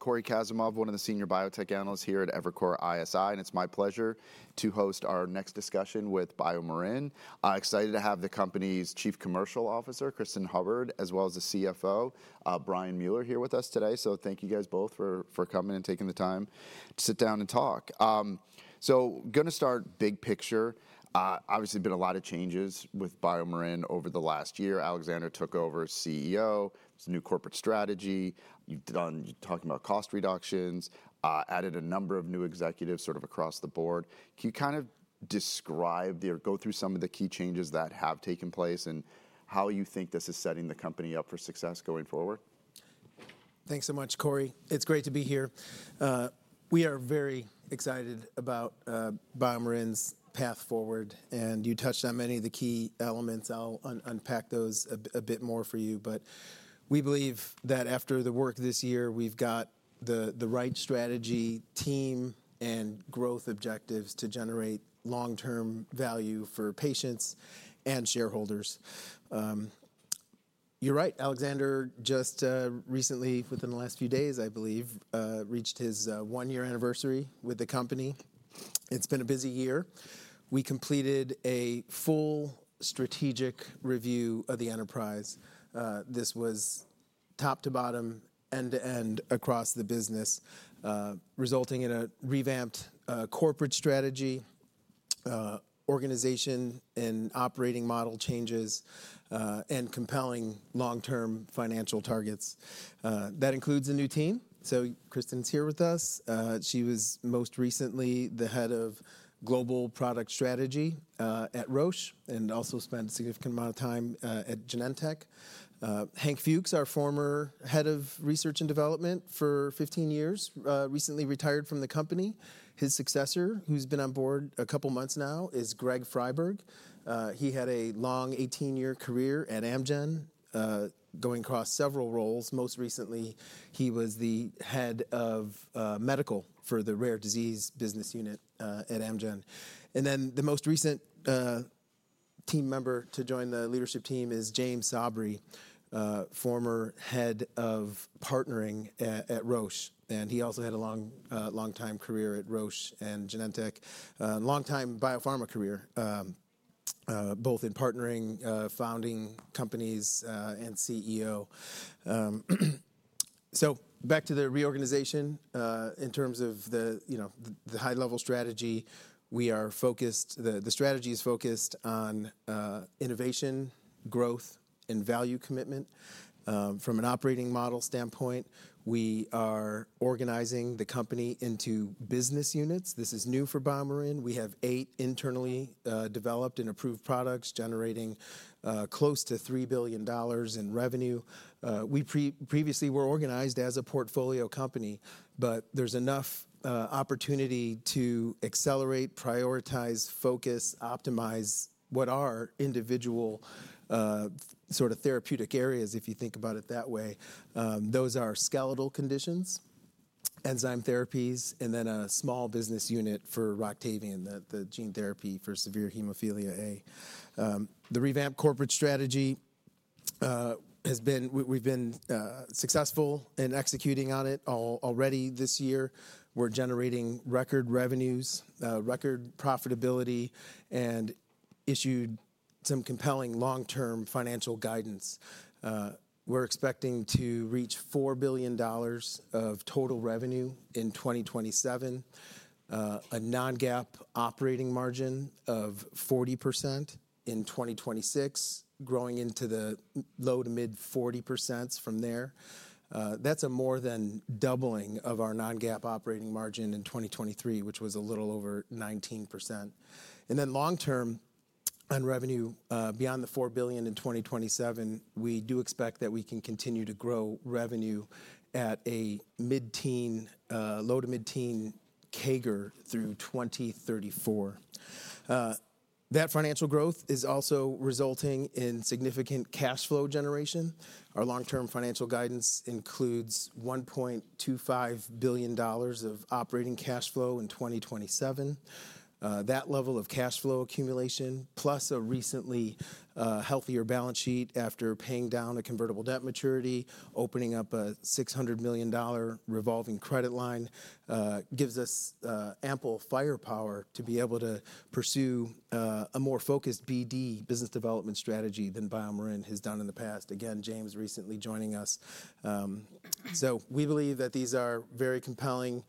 Cory Kasimov, one of the senior biotech analysts here at Evercore ISI, and it's my pleasure to host our next discussion with BioMarin. Excited to have the company's Chief Commercial Officer, Cristin Hubbard, as well as the CFO, Brian Mueller, here with us today, so thank you guys both for coming and taking the time to sit down and talk, so going to start big picture. Obviously, there have been a lot of changes with BioMarin over the last year. Alexander took over as CEO. It's a new corporate strategy. You've done talking about cost reductions, added a number of new executives sort of across the board. Can you kind of describe or go through some of the key changes that have taken place and how you think this is setting the company up for success going forward? Thanks so much, Cory. It's great to be here. We are very excited about BioMarin's path forward, and you touched on many of the key elements. I'll unpack those a bit more for you. But we believe that after the work this year, we've got the right strategy, team, and growth objectives to generate long-term value for patients and shareholders. You're right, Alexander just recently, within the last few days, I believe, reached his one-year anniversary with the company. It's been a busy year. We completed a full strategic review of the enterprise. This was top to bottom, end to end across the business, resulting in a revamped corporate strategy, organization and operating model changes, and compelling long-term financial targets. That includes a new team. So Cristin's here with us. She was most recently the head of global product strategy at Roche and also spent a significant amount of time at Genentech. Hank Fuchs, our former head of research and development for 15 years, recently retired from the company. His successor, who's been on board a couple of months now, is Greg Friberg. He had a long 18-year career at Amgen, going across several roles. Most recently, he was the Head of Medical for the rare disease business unit at Amgen. And then the most recent team member to join the leadership team is James Sabry, former head of partnering at Roche. And he also had a long-time career at Roche and Genentech, a long-time biopharma career, both in partnering, founding companies, and CEO. So back to the reorganization. In terms of the high-level strategy, we are focused. The strategy is focused on innovation, growth, and value commitment. From an operating model standpoint, we are organizing the company into business units. This is new for BioMarin. We have eight internally developed and approved products generating close to $3 billion in revenue. We previously were organized as a portfolio company, but there's enough opportunity to accelerate, prioritize, focus, optimize what are individual sort of therapeutic areas, if you think about it that way. Those are skeletal conditions, enzyme therapies, and then a small business unit for ROCTAVIAN, the gene therapy for severe hemophilia A. The revamped corporate strategy has been, we've been successful in executing on it already this year. We're generating record revenues, record profitability, and issued some compelling long-term financial guidance. We're expecting to reach $4 billion of total revenue in 2027, a non-GAAP operating margin of 40% in 2026, growing into the low to mid 40% from there. That's a more than doubling of our non-GAAP operating margin in 2023, which was a little over 19%. And then long-term on revenue, beyond the $4 billion in 2027, we do expect that we can continue to grow revenue at a mid-teen, low to mid-teen, CAGR through 2034. That financial growth is also resulting in significant cash flow generation. Our long-term financial guidance includes $1.25 billion of operating cash flow in 2027. That level of cash flow accumulation, plus a recently healthier balance sheet after paying down a convertible debt maturity, opening up a $600 million revolving credit line, gives us ample firepower to be able to pursue a more focused BD, business development strategy, than BioMarin has done in the past. Again, James recently joining us. So we believe that these are very compelling,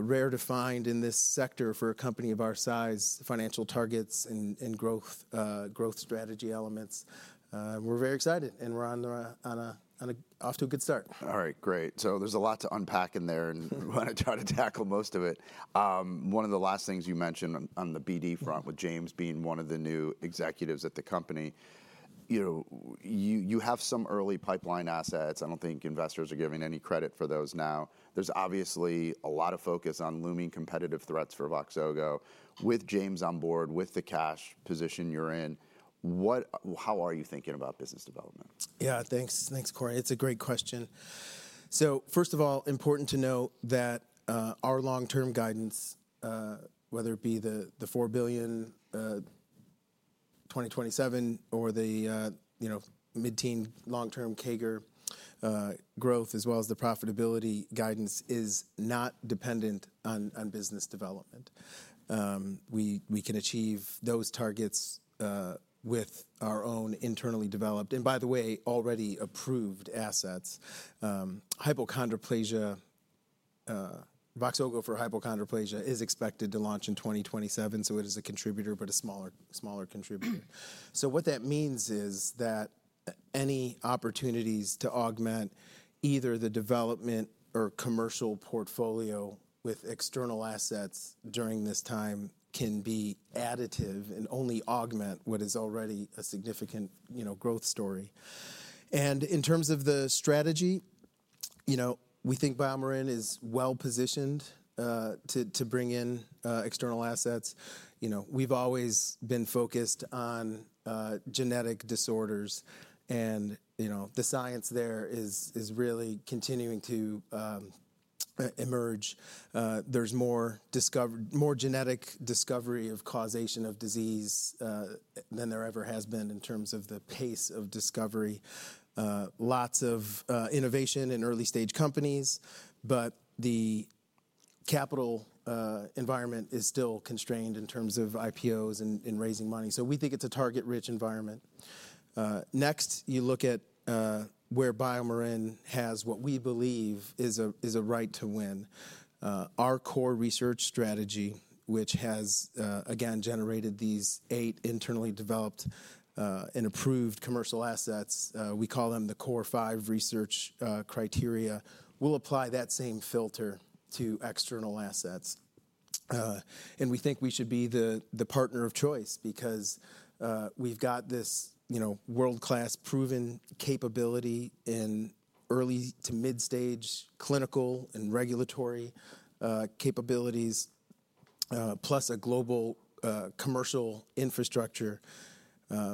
rare to find in this sector for a company of our size, financial targets, and growth strategy elements. We're very excited, and we're off to a good start. All right, great. So there's a lot to unpack in there, and we want to try to tackle most of it. One of the last things you mentioned on the BD front, with James being one of the new executives at the company, you have some early pipeline assets. I don't think investors are giving any credit for those now. There's obviously a lot of focus on looming competitive threats for VOXZOGO. With James on board, with the cash position you're in, how are you thinking about business development? Yeah, thanks, Cory. It's a great question. So first of all, important to note that our long-term guidance, whether it be the $4 billion 2027 or the mid-teen, long-term CAGR growth, as well as the profitability guidance, is not dependent on business development. We can achieve those targets with our own internally developed, and by the way, already approved assets. VOXZOGO for hypochondroplasia is expected to launch in 2027, so it is a contributor, but a smaller contributor. So what that means is that any opportunities to augment either the development or commercial portfolio with external assets during this time can be additive and only augment what is already a significant growth story. And in terms of the strategy, we think BioMarin is well positioned to bring in external assets. We've always been focused on genetic disorders, and the science there is really continuing to emerge. There's more genetic discovery of causation of disease than there ever has been in terms of the pace of discovery. Lots of innovation in early-stage companies, but the capital environment is still constrained in terms of IPOs and raising money, so we think it's a target-rich environment. Next, you look at where BioMarin has what we believe is a right to win. Our core research strategy, which has, again, generated these eight internally developed and approved commercial assets, we call them the core five research criteria. We'll apply that same filter to external assets, and we think we should be the partner of choice because we've got this world-class proven capability in early to mid-stage clinical and regulatory capabilities, plus a global commercial infrastructure,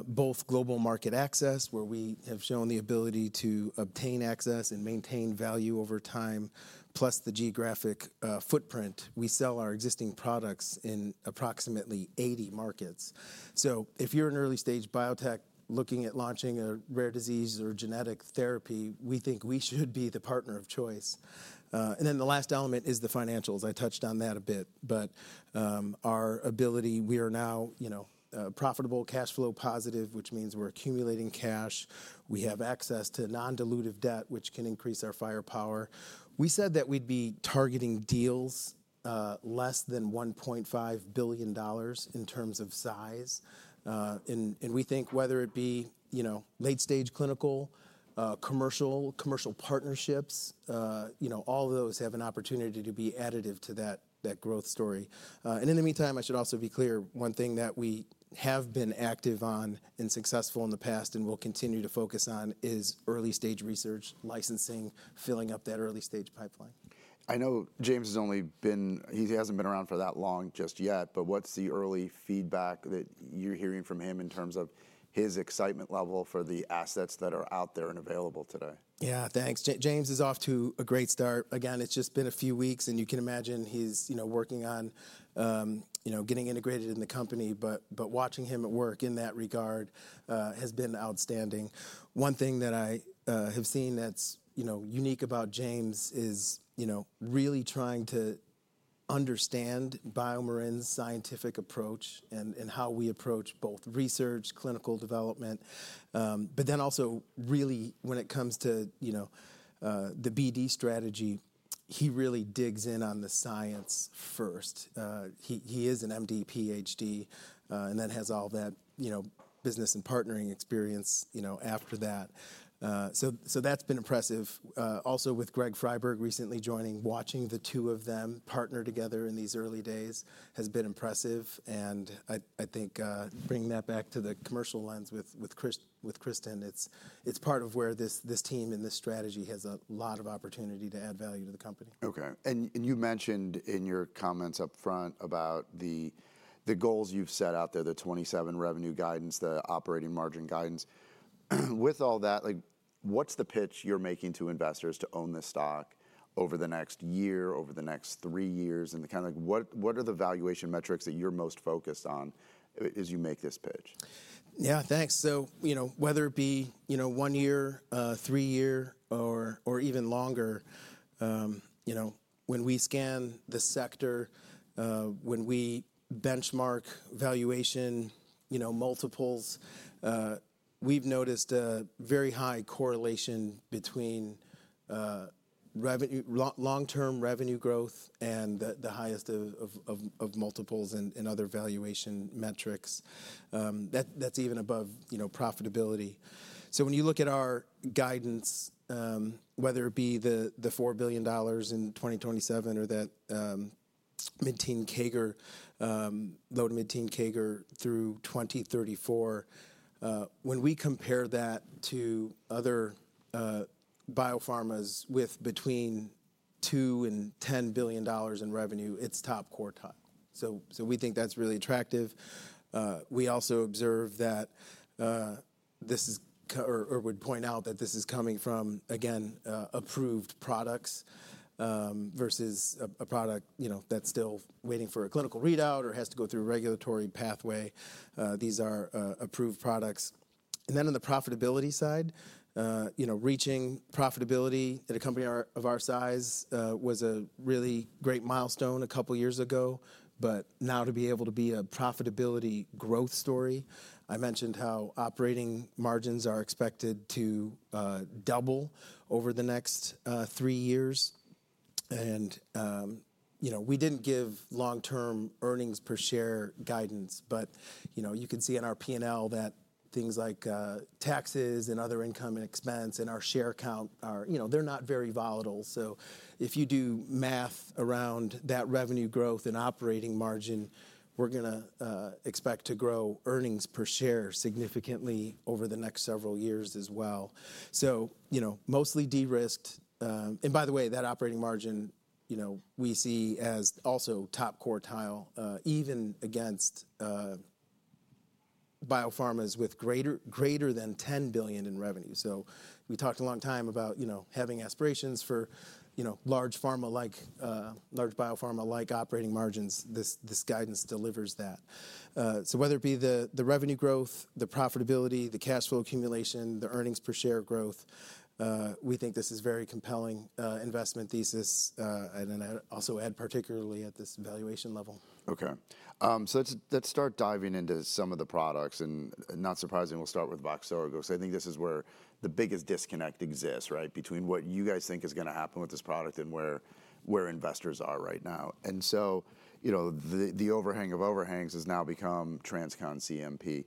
both global market access, where we have shown the ability to obtain access and maintain value over time, plus the geographic footprint. We sell our existing products in approximately 80 markets. So if you're an early-stage biotech looking at launching a rare disease or genetic therapy, we think we should be the partner of choice. And then the last element is the financials. I touched on that a bit. But our ability, we are now profitable, cash flow positive, which means we're accumulating cash. We have access to non-dilutive debt, which can increase our firepower. We said that we'd be targeting deals less than $1.5 billion in terms of size. And we think whether it be late-stage clinical, commercial, commercial partnerships, all of those have an opportunity to be additive to that growth story. And in the meantime, I should also be clear, one thing that we have been active on and successful in the past and will continue to focus on is early-stage research, licensing, filling up that early-stage pipeline. I know James hasn't been around for that long just yet, but what's the early feedback that you're hearing from him in terms of his excitement level for the assets that are out there and available today? Yeah, thanks. James is off to a great start. Again, it's just been a few weeks, and you can imagine he's working on getting integrated in the company. But watching him at work in that regard has been outstanding. One thing that I have seen that's unique about James is really trying to understand BioMarin's scientific approach and how we approach both research, clinical development. But then also really, when it comes to the BD strategy, he really digs in on the science first. He is an MD, PhD, and then has all that business and partnering experience after that. So that's been impressive. Also with Greg Friberg, recently joining, watching the two of them partner together in these early days has been impressive. I think bringing that back to the commercial lens with Cristin, it's part of where this team and this strategy has a lot of opportunity to add value to the company. Okay. And you mentioned in your comments upfront about the goals you've set out there, the 2.7 revenue guidance, the operating margin guidance. With all that, what's the pitch you're making to investors to own this stock over the next year, over the next three years? And kind of what are the valuation metrics that you're most focused on as you make this pitch? Yeah, thanks. So whether it be one year, three years, or even longer, when we scan the sector, when we benchmark valuation multiples, we've noticed a very high correlation between long-term revenue growth and the highest of multiples and other valuation metrics. That's even above profitability. So when you look at our guidance, whether it be the $4 billion in 2027 or that mid-teen CAGR, low to mid-teen CAGR through 2034, when we compare that to other biopharmas with between $2 and $10 billion in revenue, it's top quartile. So we think that's really attractive. We also observe that this is or would point out that this is coming from, again, approved products versus a product that's still waiting for a clinical readout or has to go through a regulatory pathway. These are approved products. And then on the profitability side, reaching profitability at a company of our size was a really great milestone a couple of years ago. But now to be able to be a profitability growth story, I mentioned how operating margins are expected to double over the next three years. And we didn't give long-term earnings per share guidance, but you can see in our P&L that things like taxes and other income and expense and our share count, they're not very volatile. So if you do math around that revenue growth and operating margin, we're going to expect to grow earnings per share significantly over the next several years as well. So mostly de-risked. And by the way, that operating margin, we see as also top quartile, even against biopharmas with greater than $10 billion in revenue. So we talked a long time about having aspirations for large pharma-like operating margins. This guidance delivers that. So whether it be the revenue growth, the profitability, the cash flow accumulation, the earnings per share growth, we think this is a very compelling investment thesis. And then I'd also add, particularly at this valuation level. Okay. So let's start diving into some of the products. And not surprising, we'll start with VOXZOGO. So I think this is where the biggest disconnect exists, right, between what you guys think is going to happen with this product and where investors are right now. And so the overhang of overhangs has now become TransCon CNP.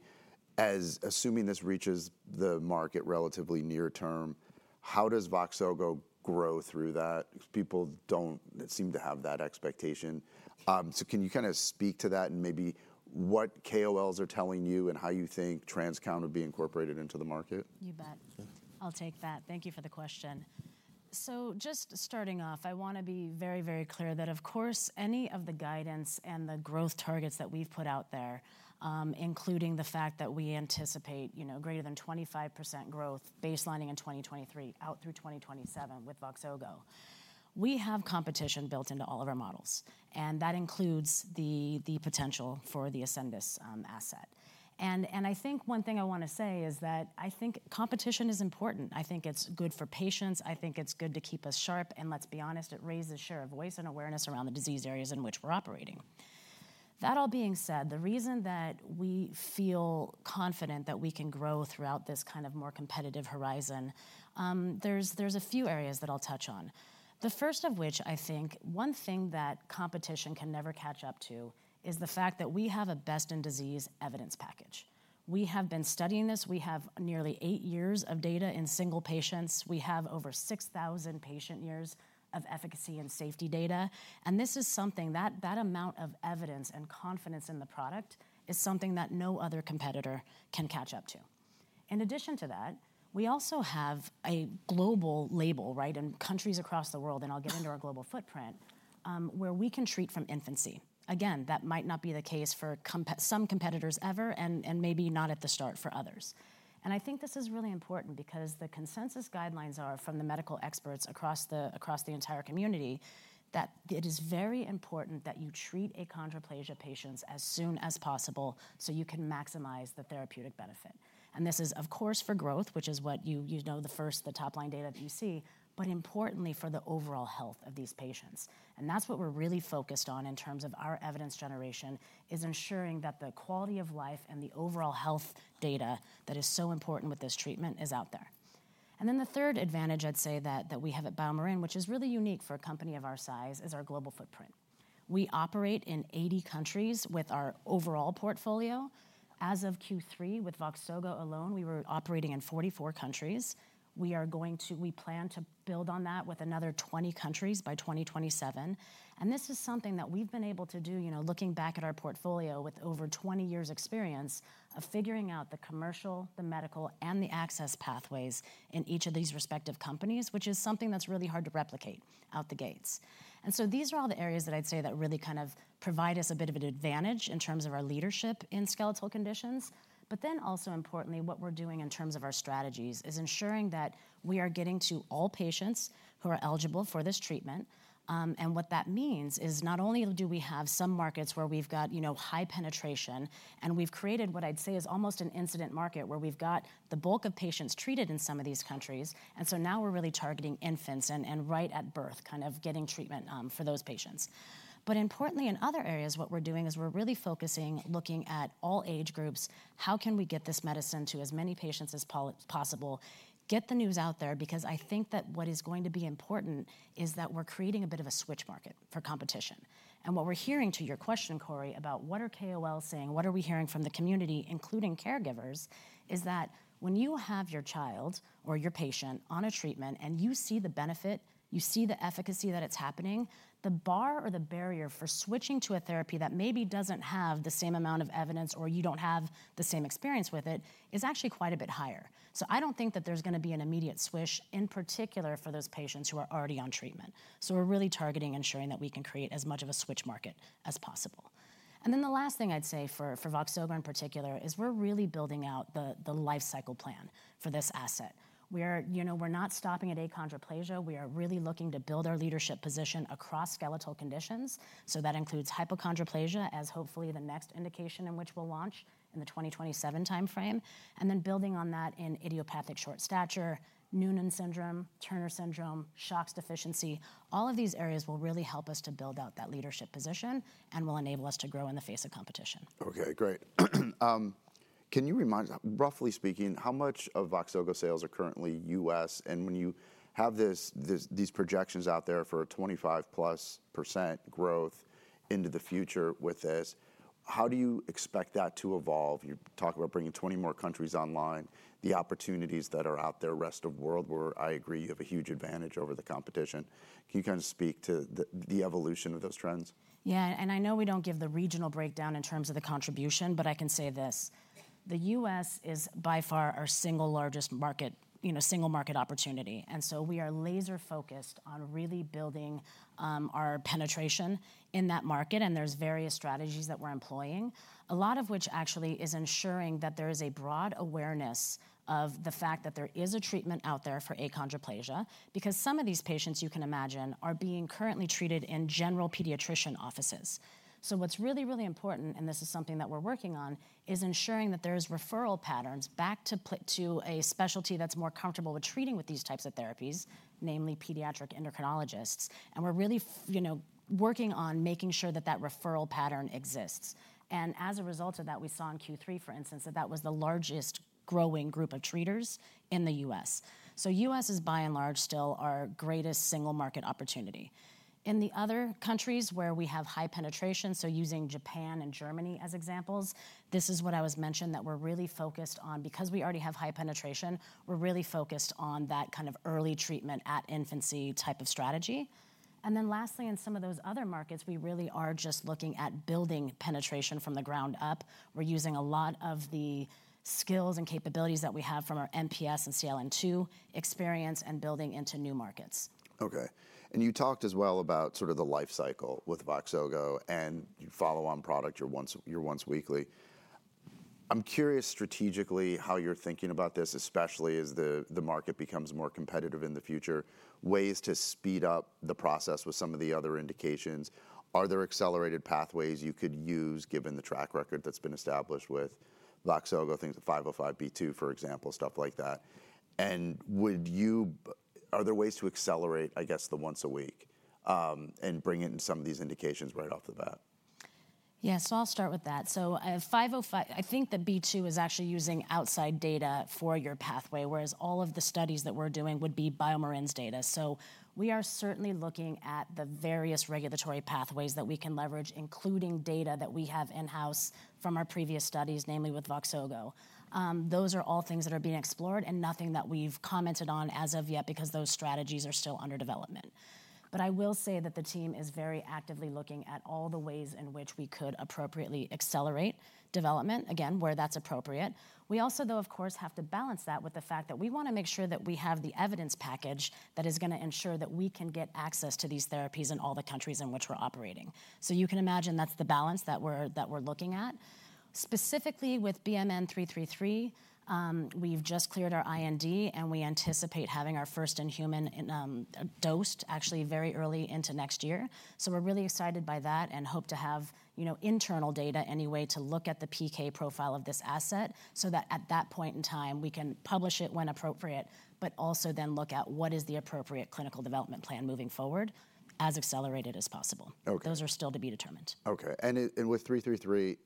Assuming this reaches the market relatively near term, how does VOXZOGO grow through that? People don't seem to have that expectation. So can you kind of speak to that and maybe what KOLs are telling you and how you think TransCon CNP would be incorporated into the market? You bet. I'll take that. Thank you for the question. So just starting off, I want to be very, very clear that, of course, any of the guidance and the growth targets that we've put out there, including the fact that we anticipate greater than 25% growth baselining in 2023 out through 2027 with VOXZOGO, we have competition built into all of our models. And that includes the potential for the Ascendis asset. And I think one thing I want to say is that I think competition is important. I think it's good for patients. I think it's good to keep us sharp. And let's be honest, it raises a share of voice and awareness around the disease areas in which we're operating. That all being said, the reason that we feel confident that we can grow throughout this kind of more competitive horizon. There's a few areas that I'll touch on. The first of which, I think one thing that competition can never catch up to is the fact that we have a best-in-disease evidence package. We have been studying this. We have nearly eight years of data in single patients. We have over 6,000 patient years of efficacy and safety data, and this is something that that amount of evidence and confidence in the product is something that no other competitor can catch up to. In addition to that, we also have a global label, right, in countries across the world, and I'll get into our global footprint, where we can treat from infancy. Again, that might not be the case for some competitors ever and maybe not at the start for others. And I think this is really important because the consensus guidelines are from the medical experts across the entire community that it is very important that you treat achondroplasia patients as soon as possible so you can maximize the therapeutic benefit. And this is, of course, for growth, which is what you know the first, the top line data that you see, but importantly for the overall health of these patients. And that's what we're really focused on in terms of our evidence generation, is ensuring that the quality of life and the overall health data that is so important with this treatment is out there. Then the third advantage I'd say that we have at BioMarin, which is really unique for a company of our size, is our global footprint. We operate in 80 countries with our overall portfolio. As of Q3, with Voxzogo alone, we were operating in 44 countries. We are going to, we plan to build on that with another 20 countries by 2027. And this is something that we've been able to do, looking back at our portfolio with over 20 years' experience of figuring out the commercial, the medical, and the access pathways in each of these respective companies, which is something that's really hard to replicate out the gates. And so these are all the areas that I'd say that really kind of provide us a bit of an advantage in terms of our leadership in skeletal conditions. But then also importantly, what we're doing in terms of our strategies is ensuring that we are getting to all patients who are eligible for this treatment. And what that means is not only do we have some markets where we've got high penetration, and we've created what I'd say is almost an incumbent market where we've got the bulk of patients treated in some of these countries. And so now we're really targeting infants and right at birth, kind of getting treatment for those patients. But importantly, in other areas, what we're doing is we're really focusing, looking at all age groups, how can we get this medicine to as many patients as possible, get the news out there? Because I think that what is going to be important is that we're creating a bit of a switch market for competition. What we're hearing to your question, Cory, about what are KOLs saying, what are we hearing from the community, including caregivers, is that when you have your child or your patient on a treatment and you see the benefit, you see the efficacy that it's happening, the bar or the barrier for switching to a therapy that maybe doesn't have the same amount of evidence or you don't have the same experience with it is actually quite a bit higher. So I don't think that there's going to be an immediate switch, in particular for those patients who are already on treatment. So we're really targeting ensuring that we can create as much of a switch market as possible. And then the last thing I'd say for VOXZOGO in particular is we're really building out the life cycle plan for this asset. We're not stopping at achondroplasia. We are really looking to build our leadership position across skeletal conditions. So that includes hypochondroplasia as hopefully the next indication in which we'll launch in the 2027 timeframe. And then building on that in idiopathic short stature, Noonan syndrome, Turner syndrome, SHOX deficiency, all of these areas will really help us to build out that leadership position and will enable us to grow in the face of competition. Okay, great. Can you remind us, roughly speaking, how much of VOXZOGO's sales are currently U.S.? And when you have these projections out there for a 25%+ growth into the future with this, how do you expect that to evolve? You talk about bringing 20 more countries online, the opportunities that are out there, rest of world, where I agree you have a huge advantage over the competition. Can you kind of speak to the evolution of those trends? Yeah, and I know we don't give the regional breakdown in terms of the contribution, but I can say this. The U.S. is by far our single largest market, single market opportunity. And so we are laser-focused on really building our penetration in that market. And there's various strategies that we're employing, a lot of which actually is ensuring that there is a broad awareness of the fact that there is a treatment out there for achondroplasia, because some of these patients, you can imagine, are being currently treated in general pediatrician offices. So what's really, really important, and this is something that we're working on, is ensuring that there are referral patterns back to a specialty that's more comfortable with treating with these types of therapies, namely pediatric endocrinologists. And we're really working on making sure that that referral pattern exists. And as a result of that, we saw in Q3, for instance, that that was the largest growing group of treaters in the U.S. So U.S. is by and large still our greatest single market opportunity. In the other countries where we have high penetration, so using Japan and Germany as examples, this is what I was mentioning that we're really focused on because we already have high penetration, we're really focused on that kind of early treatment at infancy type of strategy. And then lastly, in some of those other markets, we really are just looking at building penetration from the ground up. We're using a lot of the skills and capabilities that we have from our MPS and CLN2 experience and building into new markets. Okay. And you talked as well about sort of the life cycle with VOXZOGO, and you follow on product, you're once weekly. I'm curious strategically how you're thinking about this, especially as the market becomes more competitive in the future, ways to speed up the process with some of the other indications. Are there accelerated pathways you could use given the track record that's been established with VOXZOGO, things like 505(b)(2), for example, stuff like that? And are there ways to accelerate, I guess, the once a week and bring it into some of these indications right off the bat? Yeah, so I'll start with that. So I think that (b)(2) is actually using outside data for your pathway, whereas all of the studies that we're doing would be BioMarin's data. So we are certainly looking at the various regulatory pathways that we can leverage, including data that we have in-house from our previous studies, namely with VOXZOGO. Those are all things that are being explored and nothing that we've commented on as of yet because those strategies are still under development. But I will say that the team is very actively looking at all the ways in which we could appropriately accelerate development, again, where that's appropriate. We also, though, of course, have to balance that with the fact that we want to make sure that we have the evidence package that is going to ensure that we can get access to these therapies in all the countries in which we're operating. So you can imagine that's the balance that we're looking at. Specifically with BMN 333, we've just cleared our IND, and we anticipate having our first-in-human dose actually very early into next year. So we're really excited by that and hope to have internal data anyway to look at the PK profile of this asset so that at that point in time, we can publish it when appropriate, but also then look at what is the appropriate clinical development plan moving forward as accelerated as possible. Those are still to be determined. Okay. With 333,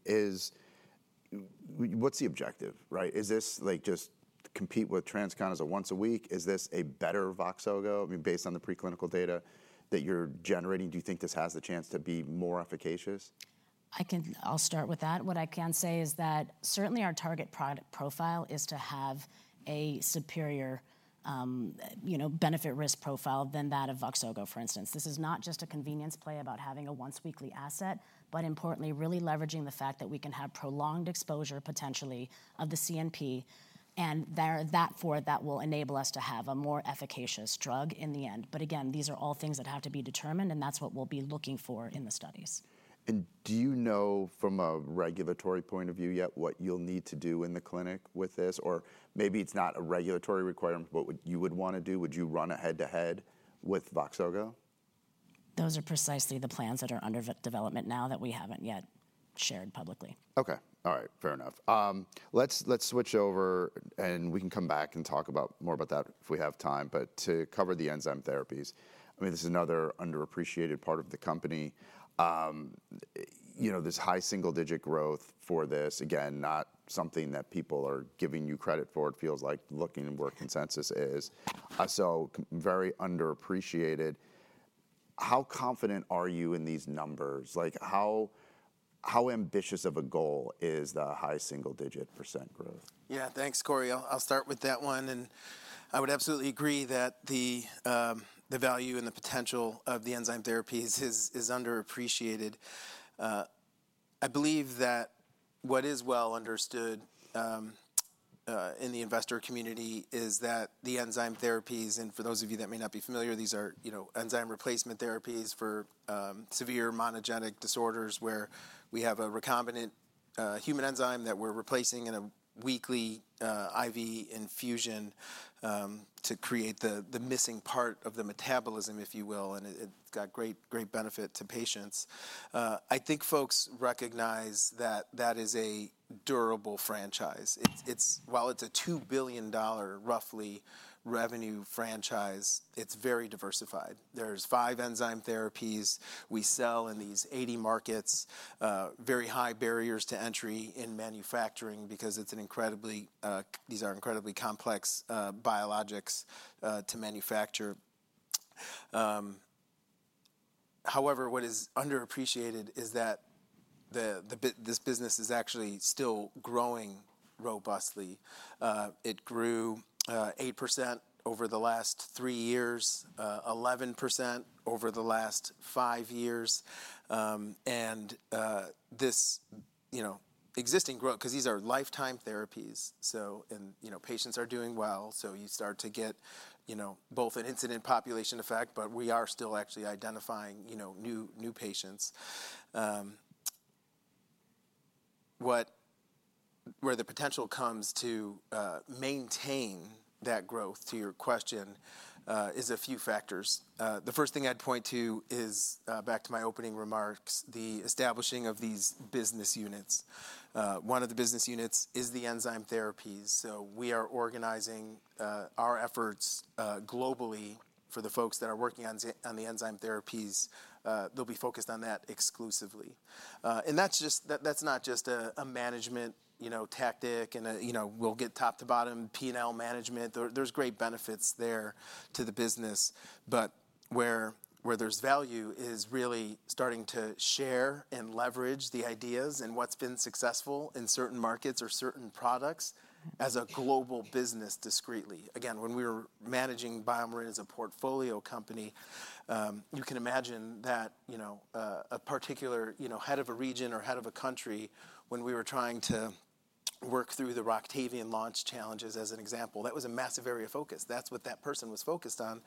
what's the objective, right? Is this like just compete with TransCon as a once a week? Is this a better VOXZOGO? I mean, based on the preclinical data that you're generating, do you think this has the chance to be more efficacious? I'll start with that. What I can say is that certainly our target profile is to have a superior benefit risk profile than that of VOXZOGO, for instance. This is not just a convenience play about having a once-weekly asset, but importantly, really leveraging the fact that we can have prolonged exposure potentially of the CNP, and that for that will enable us to have a more efficacious drug in the end, but again, these are all things that have to be determined, and that's what we'll be looking for in the studies. Do you know from a regulatory point of view yet what you'll need to do in the clinic with this? Or maybe it's not a regulatory requirement, but what you would want to do? Would you run a head-to-head with VOXZOGO? Those are precisely the plans that are under development now that we haven't yet shared publicly. Okay. All right. Fair enough. Let's switch over, and we can come back and talk more about that if we have time. But to cover the enzyme therapies, I mean, this is another underappreciated part of the company. There's high single-digit growth for this. Again, not something that people are giving you credit for. It feels like looking where consensus is. So very underappreciated. How confident are you in these numbers? How ambitious of a goal is the high single-digit percent growth? Yeah, thanks, Cory. I'll start with that one. I would absolutely agree that the value and the potential of the enzyme therapies is underappreciated. I believe that what is well understood in the investor community is that the enzyme therapies, and for those of you that may not be familiar, these are enzyme replacement therapies for severe monogenic disorders where we have a recombinant human enzyme that we're replacing in a weekly IV infusion to create the missing part of the metabolism, if you will, and it's got great benefit to patients. I think folks recognize that that is a durable franchise. While it's a $2 billion roughly revenue franchise, it's very diversified. There's five enzyme therapies we sell in these 80 markets, very high barriers to entry in manufacturing because these are incredibly complex biologics to manufacture. However, what is underappreciated is that this business is actually still growing robustly. It grew 8% over the last three years, 11% over the last five years. And this existing growth, because these are lifetime therapies, so patients are doing well, so you start to get both an incidence population effect, but we are still actually identifying new patients. Where the potential comes to maintain that growth, to your question, is a few factors. The first thing I'd point to is back to my opening remarks, the establishing of these business units. One of the business units is the enzyme therapies. So we are organizing our efforts globally for the folks that are working on the enzyme therapies. They'll be focused on that exclusively. And that's not just a management tactic and we'll get top to bottom P&L management. There's great benefits there to the business. But where there's value is really starting to share and leverage the ideas and what's been successful in certain markets or certain products as a global business discretely. Again, when we were managing BioMarin as a portfolio company, you can imagine that a particular head of a region or head of a country, when we were trying to work through the ROCTAVIAN launch challenges as an example, that was a massive area of focus. That's what that person was focused on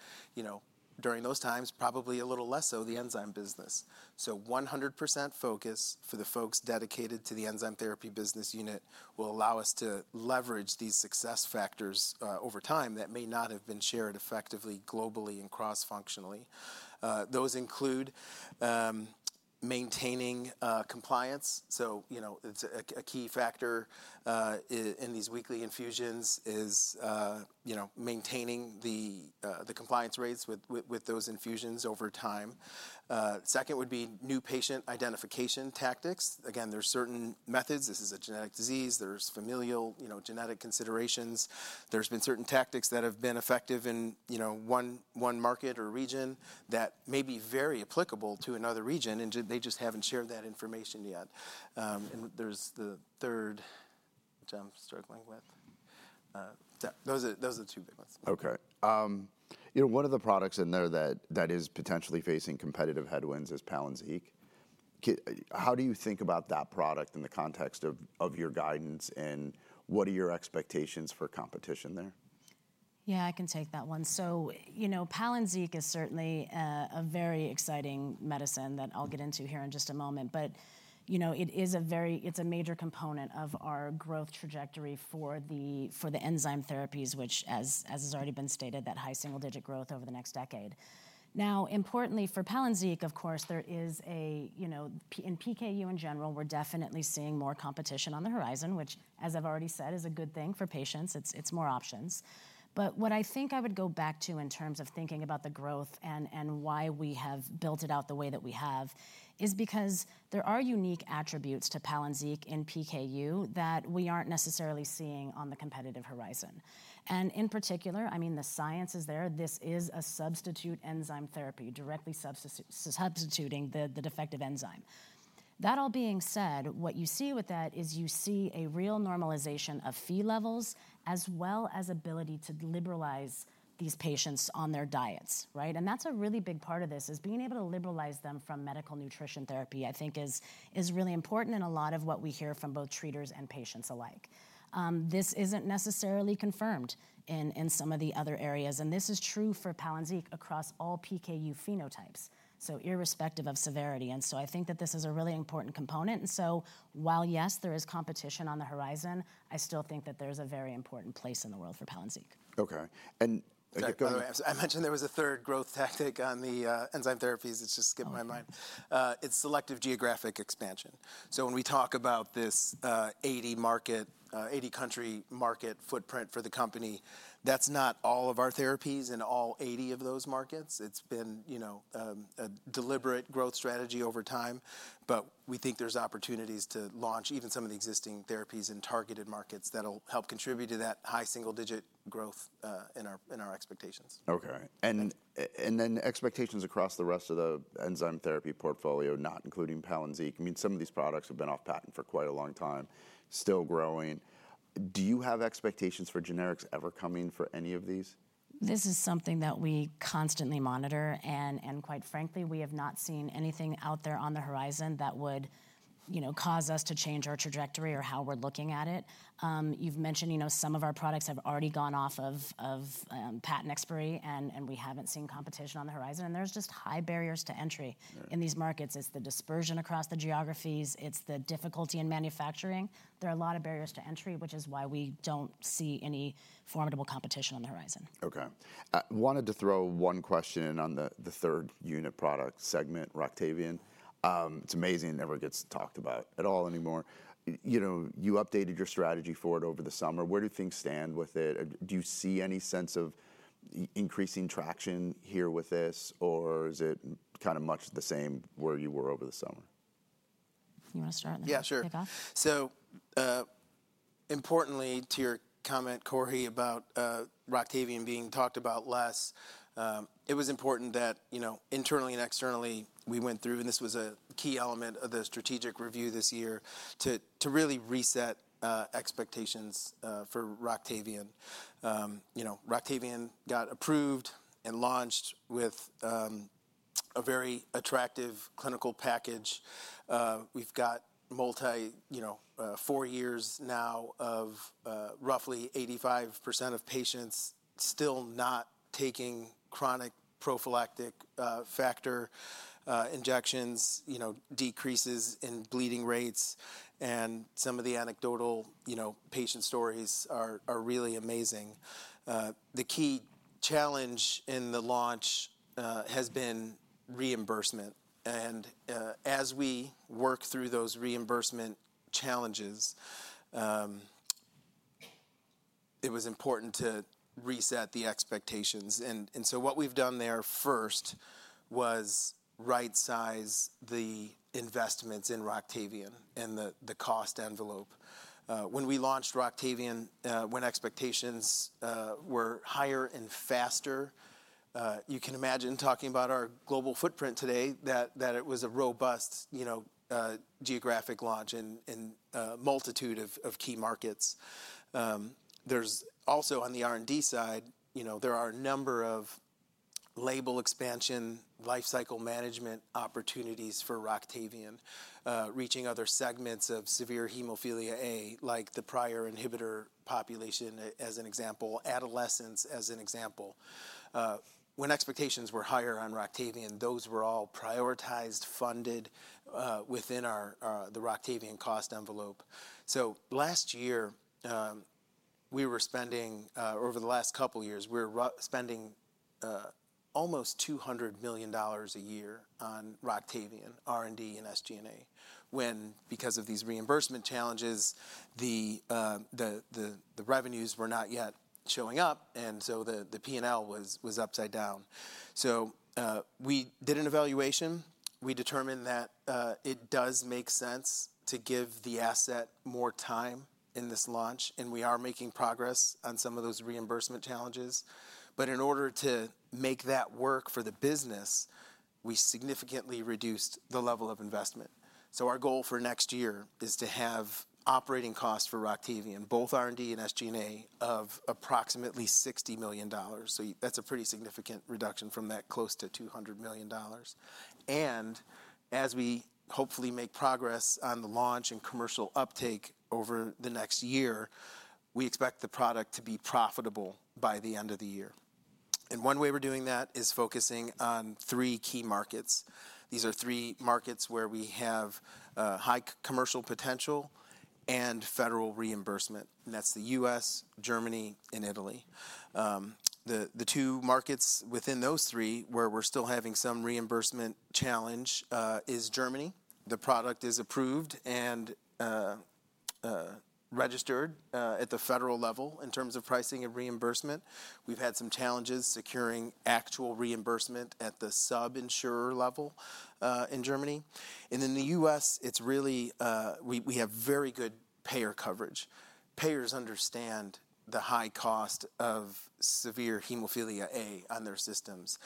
during those times, probably a little less so the enzyme business. So 100% focus for the folks dedicated to the enzyme therapy business unit will allow us to leverage these success factors over time that may not have been shared effectively globally and cross-functionally. Those include maintaining compliance. So a key factor in these weekly infusions is maintaining the compliance rates with those infusions over time. Second would be new patient identification tactics. Again, there's certain methods. This is a genetic disease. There's familial genetic considerations. There's been certain tactics that have been effective in one market or region that may be very applicable to another region, and they just haven't shared that information yet, and there's the third which I'm struggling with. Those are the two big ones. Okay. One of the products in there that is potentially facing competitive headwinds is PALYNZIQ. How do you think about that product in the context of your guidance, and what are your expectations for competition there? Yeah, I can take that one. So PALYNZIQ is certainly a very exciting medicine that I'll get into here in just a moment. But it is a major component of our growth trajectory for the enzyme therapies, which, as has already been stated, that high single-digit growth over the next decade. Now, importantly for PALYNZIQ, of course, there is in PKU in general, we're definitely seeing more competition on the horizon, which, as I've already said, is a good thing for patients. It's more options. But what I think I would go back to in terms of thinking about the growth and why we have built it out the way that we have is because there are unique attributes to PALYNZIQ in PKU that we aren't necessarily seeing on the competitive horizon. And in particular, I mean, the science is there. This is a substitute enzyme therapy, directly substituting the defective enzyme. That all being said, what you see with that is you see a real normalization of Phe levels as well as ability to liberalize these patients on their diets, right? And that's a really big part of this is being able to liberalize them from medical nutrition therapy. I think is really important in a lot of what we hear from both treaters and patients alike. This isn't necessarily confirmed in some of the other areas. And this is true for PALYNZIQ across all PKU phenotypes, so irrespective of severity. And so I think that this is a really important component. And so while, yes, there is competition on the horizon, I still think that there's a very important place in the world for PALYNZIQ. Okay. And. I mentioned there was a third growth tactic on the enzyme therapies. It's just skipping my mind. It's selective geographic expansion. So when we talk about this 80-country market footprint for the company, that's not all of our therapies in all 80 of those markets. It's been a deliberate growth strategy over time. But we think there's opportunities to launch even some of the existing therapies in targeted markets that'll help contribute to that high single-digit growth in our expectations. Okay. And then expectations across the rest of the enzyme therapy portfolio, not including PALYNZIQ. I mean, some of these products have been off patent for quite a long time, still growing. Do you have expectations for generics ever coming for any of these? This is something that we constantly monitor, and quite frankly, we have not seen anything out there on the horizon that would cause us to change our trajectory or how we're looking at it. You've mentioned some of our products have already gone off of patent expiry, and we haven't seen competition on the horizon, and there's just high barriers to entry in these markets. It's the dispersion across the geographies. It's the difficulty in manufacturing. There are a lot of barriers to entry, which is why we don't see any formidable competition on the horizon. Okay. I wanted to throw one question in on the third unit product segment, ROCTAVIAN. It's amazing. It never gets talked about at all anymore. You updated your strategy for it over the summer. Where do things stand with it? Do you see any sense of increasing traction here with this, or is it kind of much the same where you were over the summer? You want to start? Yeah, sure. Importantly to your comment, Cory, about ROCTAVIAN being talked about less, it was important that internally and externally we went through, and this was a key element of the strategic review this year to really reset expectations for ROCTAVIAN. ROCTAVIAN got approved and launched with a very attractive clinical package. We've got more than four years now of roughly 85% of patients still not taking chronic prophylactic factor injections, decreases in bleeding rates, and some of the anecdotal patient stories are really amazing. The key challenge in the launch has been reimbursement. As we work through those reimbursement challenges, it was important to reset the expectations. What we've done there first was right-size the investments in ROCTAVIAN and the cost envelope. When we launched ROCTAVIAN, when expectations were higher and faster, you can imagine talking about our global footprint today, that it was a robust geographic launch in a multitude of key markets. There's also on the R&D side, there are a number of label expansion, lifecycle management opportunities for ROCTAVIAN, reaching other segments of severe hemophilia A, like the prior inhibitor population as an example, adolescents as an example. When expectations were higher on ROCTAVIAN, those were all prioritized, funded within the ROCTAVIAN cost envelope. So last year, we were spending over the last couple of years almost $200 million a year on ROCTAVIAN, R&D, and SG&A, when, because of these reimbursement challenges, the revenues were not yet showing up. And so the P&L was upside down. So we did an evaluation. We determined that it does make sense to give the asset more time in this launch. And we are making progress on some of those reimbursement challenges. But in order to make that work for the business, we significantly reduced the level of investment. So our goal for next year is to have operating costs for ROCTAVIAN, both R&D and SG&A, of approximately $60 million. So that's a pretty significant reduction from that close to $200 million. And as we hopefully make progress on the launch and commercial uptake over the next year, we expect the product to be profitable by the end of the year. And one way we're doing that is focusing on three key markets. These are three markets where we have high commercial potential and federal reimbursement. And that's the U.S., Germany, and Italy. The two markets within those three where we're still having some reimbursement challenge is Germany. The product is approved and registered at the federal level in terms of pricing and reimbursement. We've had some challenges securing actual reimbursement at the sub-insurer level in Germany, and in the U.S., we have very good payer coverage. Payers understand the high cost of severe hemophilia A on their systems.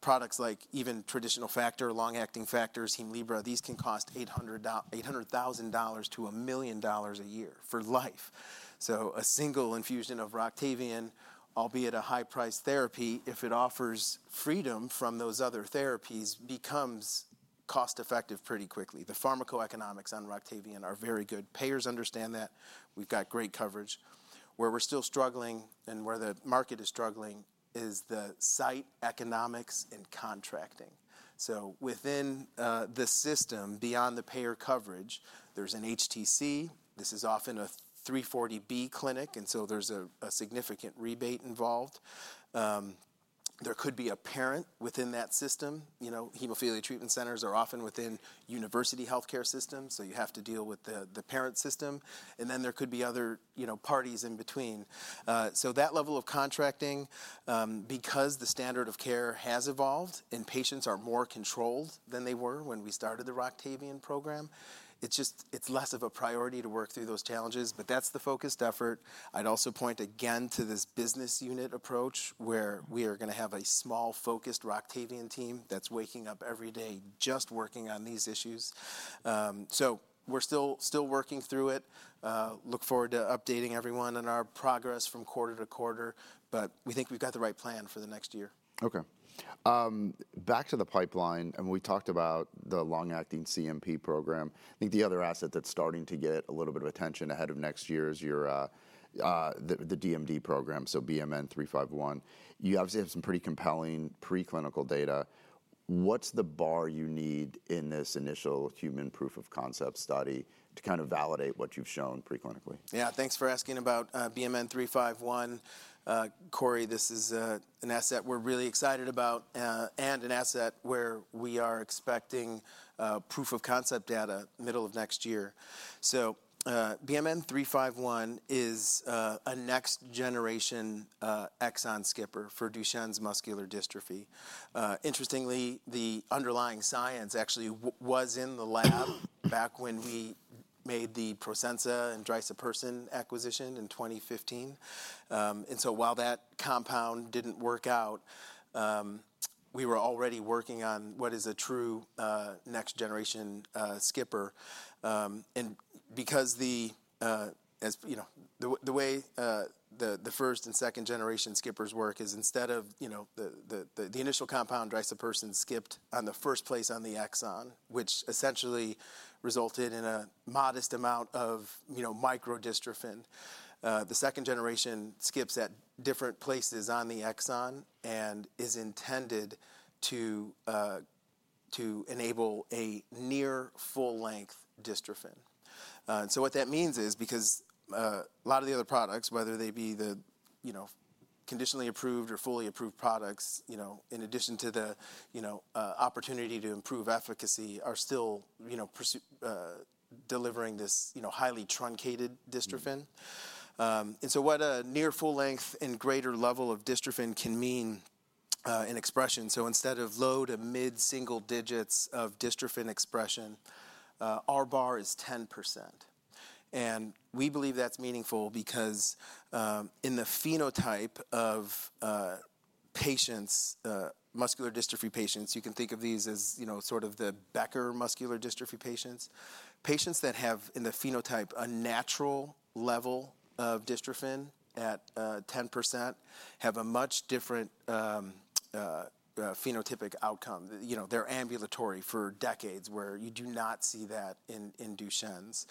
Products like even traditional factor, long-acting factors, HEMLIBRA, these can cost $800,000-$1 million a year for life. So a single infusion of ROCTAVIAN, albeit a high-priced therapy, if it offers freedom from those other therapies, becomes cost-effective pretty quickly. The pharmacoeconomics on ROCTAVIAN are very good. Payers understand that. We've got great coverage. Where we're still struggling and where the market is struggling is the site economics and contracting, so within the system, beyond the payer coverage, there's an HTC. This is often a 340B clinic, and so there's a significant rebate involved. There could be a parent within that system. Hemophilia treatment centers are often within university healthcare systems, so you have to deal with the parent system. And then there could be other parties in between. So that level of contracting, because the standard of care has evolved and patients are more controlled than they were when we started the ROCTAVIAN program, it's less of a priority to work through those challenges. But that's the focused effort. I'd also point again to this business unit approach where we are going to have a small-focused ROCTAVIAN team that's waking up every day just working on these issues. So we're still working through it. Look forward to updating everyone on our progress from quarter to quarter. But we think we've got the right plan for the next year. Okay. Back to the pipeline. And we talked about the long-acting CNP program. I think the other asset that's starting to get a little bit of attention ahead of next year is the DMD program, so BMN 351. You obviously have some pretty compelling preclinical data. What's the bar you need in this initial human proof of concept study to kind of validate what you've shown preclinically? Yeah, thanks for asking about BMN 351. Cory, this is an asset we're really excited about and an asset where we are expecting proof of concept data middle of next year. So BMN 351 is a next-generation exon skipper for Duchenne muscular dystrophy. Interestingly, the underlying science actually was in the lab back when we made the Prosensa and drisapersen acquisition in 2015. And so while that compound didn't work out, we were already working on what is a true next-generation skipper. And because the way the first- and second-generation skippers work is instead of the initial compound, drisapersen skipped on the first place on the exon, which essentially resulted in a modest amount of microdystrophin. The second-generation skips at different places on the exon and is intended to enable a near full-length dystrophin. And so what that means is because a lot of the other products, whether they be the conditionally approved or fully approved products, in addition to the opportunity to improve efficacy, are still delivering this highly truncated dystrophin. And so what a near full-length and greater level of dystrophin can mean in expression. So instead of low to mid-single digits of dystrophin expression, our bar is 10%. And we believe that's meaningful because in the phenotype of patients, muscular dystrophy patients, you can think of these as sort of the Becker muscular dystrophy patients. Patients that have in the phenotype a natural level of dystrophin at 10% have a much different phenotypic outcome. They're ambulatory for decades where you do not see that in Duchenne's.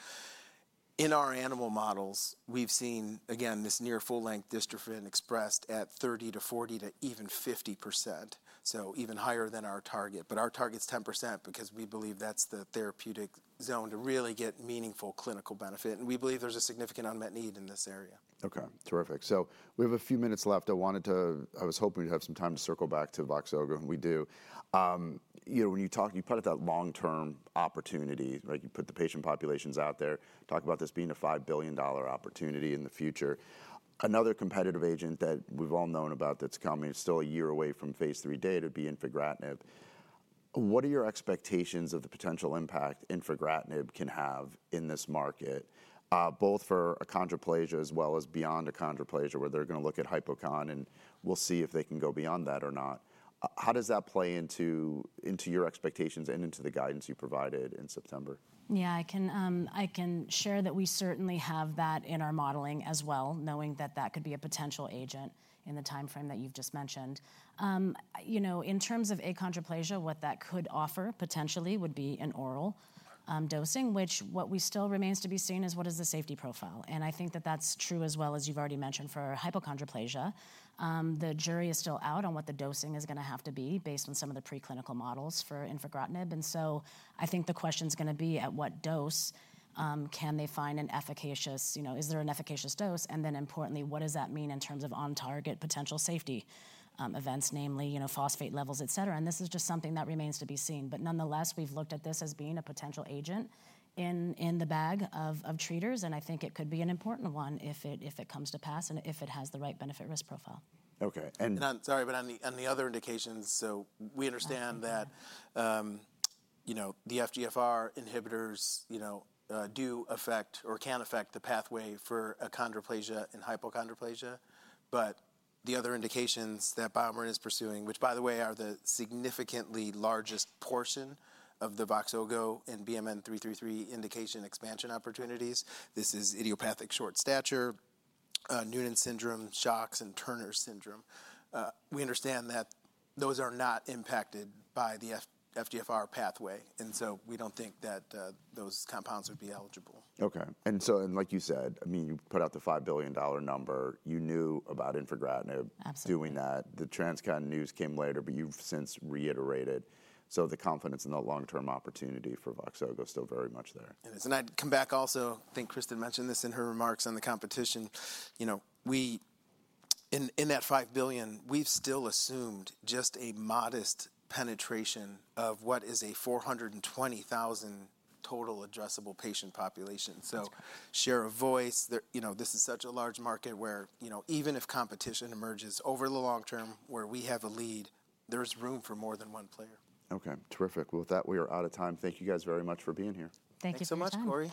In our animal models, we've seen, again, this near full-length dystrophin expressed at 30% to 40% to even 50%, so even higher than our target. But our target's 10% because we believe that's the therapeutic zone to really get meaningful clinical benefit. And we believe there's a significant unmet need in this area. Okay. Terrific. So we have a few minutes left. I was hoping we'd have some time to circle back to VOXZOGO. And we do. When you talk, you put out that long-term opportunity, right? You put the patient populations out there, talk about this being a $5 billion opportunity in the future. Another competitive agent that we've all known about that's coming is still a year away from phase III data would be infigratinib. What are your expectations of the potential impact infigratinib can have in this market, both for achondroplasia as well as beyond achondroplasia where they're going to look at hypochondroplasia and we'll see if they can go beyond that or not? How does that play into your expectations and into the guidance you provided in September? Yeah, I can share that we certainly have that in our modeling as well, knowing that that could be a potential agent in the timeframe that you've just mentioned. In terms of achondroplasia, what that could offer potentially would be an oral dosing, which what still remains to be seen is what is the safety profile, and I think that that's true as well as you've already mentioned for hypochondroplasia. The jury is still out on what the dosing is going to have to be based on some of the preclinical models for infigratinib, and so I think the question's going to be at what dose can they find an efficacious, is there an efficacious dose? And then importantly, what does that mean in terms of on-target potential safety events, namely phosphate levels, et cetera? And this is just something that remains to be seen. But nonetheless, we've looked at this as being a potential agent in the bag of treaters. And I think it could be an important one if it comes to pass and if it has the right benefit-risk profile. Okay. And. Sorry, but on the other indications, so we understand that the FGFR inhibitors do affect or can affect the pathway for achondroplasia and hypochondroplasia. But the other indications that BioMarin is pursuing, which by the way are the significantly largest portion of the VOXZOGO and BMN 333 indication expansion opportunities, this is idiopathic short stature, Noonan syndrome, SHOX, and Turner syndrome. We understand that those are not impacted by the FGFR pathway. And so we don't think that those compounds would be eligible. Okay. Like you said, I mean, you put out the $5 billion number. You knew about infigratinib doing that. The TransCon news came later, but you've since reiterated. The confidence in the long-term opportunity for VOXZOGO is still very much there. And I'd come back also. I think Cristin mentioned this in her remarks on the competition. In that $5 billion, we've still assumed just a modest penetration of what is a 420,000 total addressable patient population. So share of voice, this is such a large market where even if competition emerges over the long term where we have a lead, there's room for more than one player. Okay. Terrific. With that, we are out of time. Thank you guys very much for being here. Thank you so much, Cory.